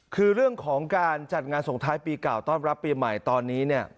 คือเรื่องของการจัดงานสงท้ายปีเก่าต้อนรับปีใหม่ตอนนี้เนี่ย